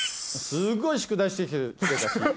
すごい宿題してきてたし。